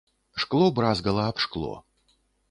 Шкло бразгала аб шкло.